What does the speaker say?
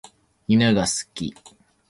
犬が好き。